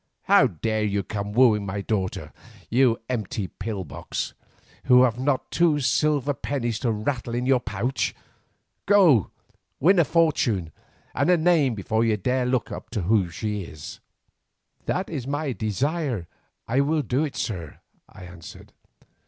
How dare you come wooing my daughter, you empty pill box, who have not two silver pennies to rattle in your pouch! Go win fortune and a name before you dare to look up to such as she." "That is my desire, and I will do it, sir," I answered.